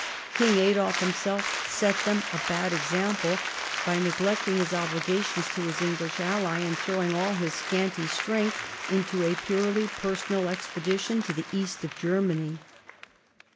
King Adolf himself set them a bad example by neglecting his obligations to his English ally and throwing all his scanty strength into a purely personal expedition to the east of Germany.